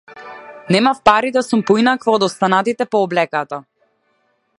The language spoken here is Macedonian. Немав пари да сум поинаква од останатите по облеката.